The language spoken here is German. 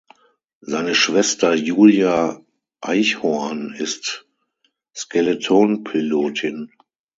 Seine Schwester Julia Eichhorn ist Skeletonpilotin.